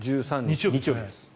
日曜日です。